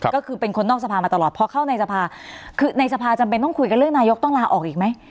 ก็คือเป็นคนนอกสภามาตลอดพอเข้าในสภาคือในสภาจำเป็นต้องคุยกันเรื่องนายกต้องลาออกอีกไหม